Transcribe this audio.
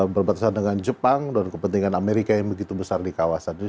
berbatasan dengan jepang dan kepentingan amerika yang begitu besar di kawasan itu